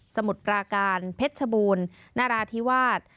มุดปราการเพชรชบูรณ์นราธิวาส